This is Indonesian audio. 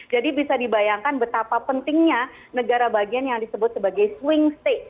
jadi bisa dibayangkan betapa pentingnya negara bagian yang disebut sebagai swing state